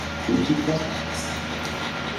Il quittera son ambassade.